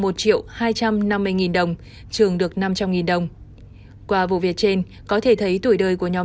một triệu hai trăm năm mươi nghìn đồng trường được năm trăm linh đồng qua vụ việc trên có thể thấy tuổi đời của nhóm